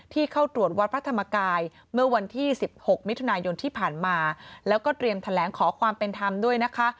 เข้าตรวจวัดพระธรรมกายเมื่อวันที่๑๖มิถุนายนที่ผ่านมาแล้วก็เตรียมแถลงขอความเป็นธรรมด้วยนะคะ